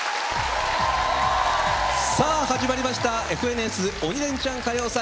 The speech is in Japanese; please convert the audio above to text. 始まりました「ＦＮＳ鬼レンチャン歌謡祭」。